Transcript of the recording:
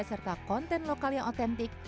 serta konten lokal yang otentik